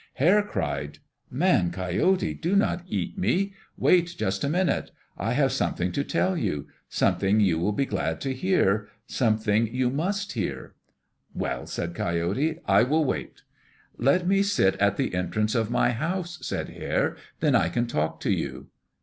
Hare cried, "Man Coyote, do not eat me. Wait just a minute; I have something to tell you something you will be glad to hear something you must hear." "Well," said Coyote, "I will wait." "Let me sit at the entrance of my house," said Hare. "Then I can talk to you."